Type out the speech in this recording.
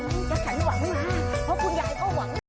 พบกันใหญ่ก็หวัง